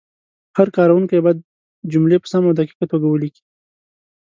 هر کارونکی باید جملې په سمه او دقیقه توګه ولیکي.